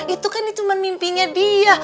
itu kan itu mimpinya dia